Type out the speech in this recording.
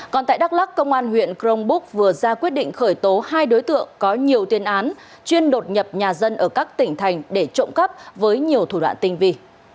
còn tại đắk lắc công an huyện crong búc vừa ra quyết định khởi tố hai đối tượng có nhiều tiền án chuyên đột nhập nhà dân ở các tỉnh thành để trộm cắp với nhiều thủ đoạn tinh vi